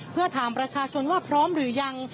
เพื่อถามประชาชนว่าพร้อมหรือยัง